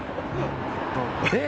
えっ？